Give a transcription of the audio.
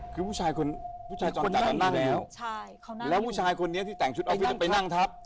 คือผู้ชายจรจัดเรานั่งอยู่ใช่เขานั่งอยู่แล้วผู้ชายคนนี้ที่แต่งชุดออฟฟิศไปนั่งทับ